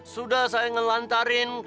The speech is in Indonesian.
sudah saya ngelantarin